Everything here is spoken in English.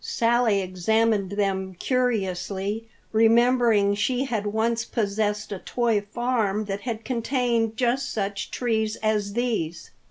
Sally examined them curiously, remembering she had once possessed a toy farm that had contained just such trees as these.